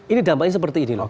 ini dampaknya seperti ini loh